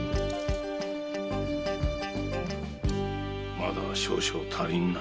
まだ少々足りぬな。